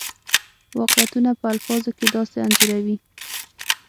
واقعیتونه په الفاظو کې داسې انځوروي.